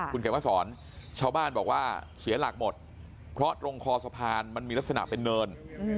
คุณเขียนมาสอนชาวบ้านบอกว่าเสียหลักหมดเพราะตรงคอสะพานมันมีลักษณะเป็นเนิน